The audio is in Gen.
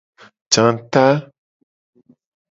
Janguta.